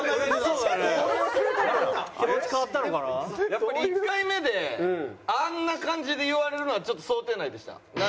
やっぱり１回目であんな感じで言われるのはちょっと想定内でした。